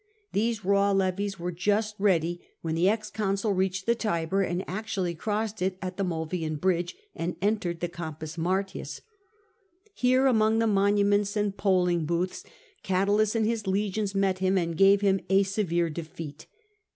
These raw levies were just ready when the ex consul reached the Tiber, and actually crossed it at the Mulvian Bridge and entered the Campus Martins. Here, among the monuments and polling booths, Catulus and his legions met him and gave him a severe defeat.